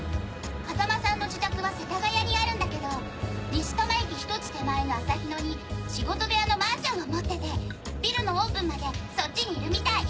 風間さんの自宅は世田谷にあるんだけど西多摩駅ひとつ手前のあさひ野に仕事部屋のマンションを持っててビルのオープンまでそっちにいるみたい。